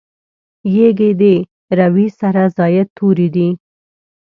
یږي د روي سره زاید توري دي.